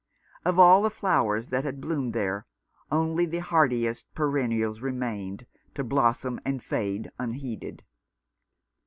Of all the flowers that had bloomed there, only the hardest perennials remained, to blossom and fade unheeded.